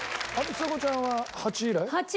ちさ子ちゃんはハチ以来？